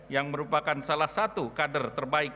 yang merupakan salah satu kader terbaik